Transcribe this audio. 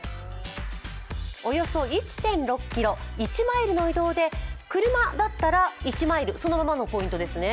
およそ１．６ｋｍ、１マイルの移動で車だったら１マイル、そのままのポイントですね。